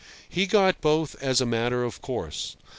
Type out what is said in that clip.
He got both as a matter of course.